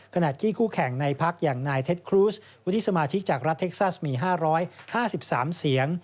ขณะที่คู่แข่งในพักอย่างนายเท็จครูสวุฒิสมาชิกจากรัฐเท็กซัสมี๕๕๓เสียง